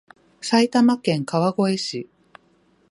埼玉県川越市